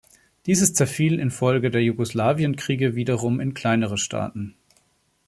Dieses zerfiel infolge der Jugoslawienkriege wiederum in kleinere Staaten.